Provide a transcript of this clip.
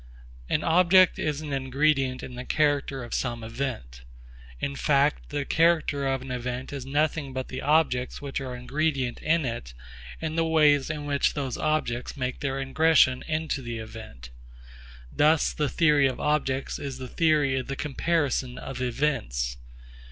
An object is an ingredient in the character of some event. In fact the character of an event is nothing but the objects which are ingredient in it and the ways in which those objects make their ingression into the event. Thus the theory of objects is the theory of the comparison of events.